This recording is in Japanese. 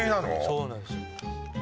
そうなんですよ